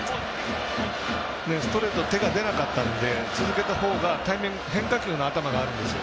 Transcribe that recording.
ストレート手が出なかったので続けた方が変化球の頭があるんですよ。